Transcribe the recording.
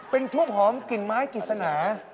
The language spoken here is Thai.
เป็นทุกของกลิ่นไม้กิศนะ